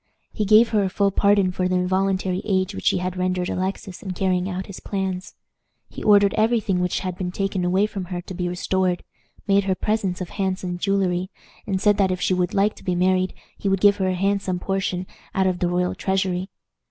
He gave her a full pardon for the involuntary aid which she had rendered Alexis in carrying out his plans. He ordered every thing which had been taken away from her to be restored, made her presents of handsome jewelry, and said that if she would like to be married he would give her a handsome portion out of the royal treasury.